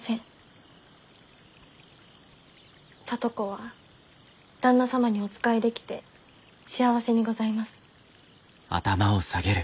聡子は旦那様にお仕えできて幸せにございます。